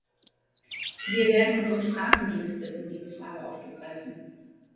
Wir werden unseren Sprachendienst bitten, diese Frage aufzugreifen.